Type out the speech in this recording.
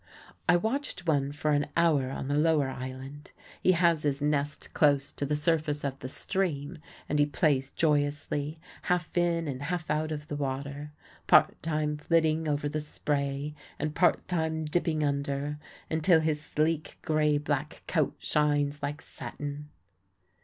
I watched one for an hour on the lower island. He has his nest close to the surface of the stream, and he plays joyously, half in and half out of the water, part time flitting over the spray, and part time dipping under, until his sleek gray black coat shines like satin.